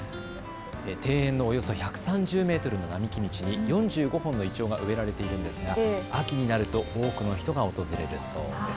庭園のおよそ１３０メートルの並木道に４５本のいちょうが植えられているんですが秋になると多くの人が訪れるそうです。